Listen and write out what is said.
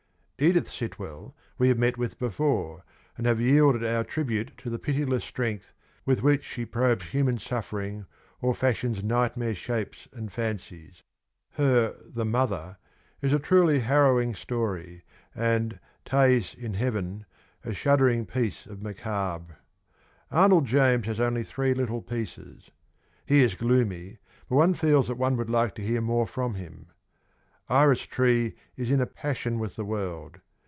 Edith Sitwell we have met with before, and have yielded our tribute to the pitiless strength with which she probes human suffering or fashions nightmare shapes and fancies. Her •'The Mother' is a truly harrowing story, and 'Thais in Heaven ' a shuddering piece of macabre. Arnold James has only three little pieces : he is gloomy, but one feels that one would like to hear more from him. Iris Tree is in a passion with the world.